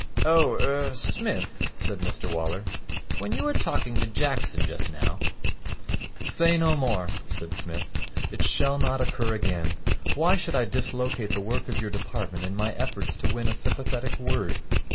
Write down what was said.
'Oh er Smith,' said Mr Waller, 'when you were talking to Jackson just now ' 'Say no more,' said Psmith. 'It shall not occur again. Why should I dislocate the work of your department in my efforts to win a sympathetic word?